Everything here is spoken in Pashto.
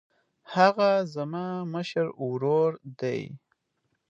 هغه زما مشر ورور دی.